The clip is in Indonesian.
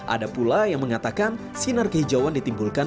ada pula yang mengatakan sinar kehijauan ditimbulkan